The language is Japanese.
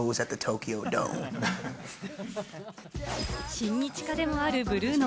親日家でもあるブルーノ。